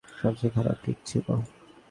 আসলে ঐ কিক আমার জীবনের সবচেয়ে খারাপ কিক ছিল!